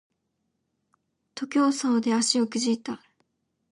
徒競走で足をくじいた